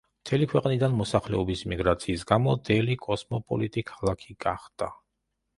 მთელი ქვეყნიდან მოსახლეობის მიგრაციის გამო დელი კოსმოპოლიტი ქალაქი გახდა.